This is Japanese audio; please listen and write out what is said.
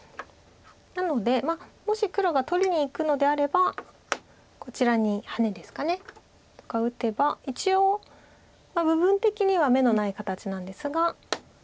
なのでもし黒が取りにいくのであればこちらにハネですか。とか打てば一応部分的には眼のない形なんですが。